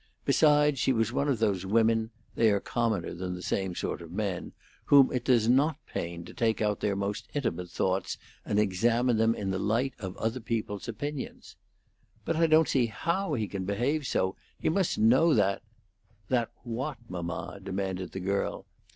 Besides, she was one of those women (they are commoner than the same sort of men) whom it does not pain to take out their most intimate thoughts and examine them in the light of other people's opinions. "But I don't see how he can behave so. He must know that " "That what, mamma?" demanded the girl.